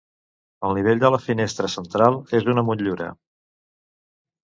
Al nivell de la finestra central, és una motllura.